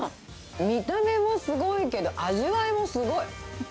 見た目もすごいけど、味わいもすごい。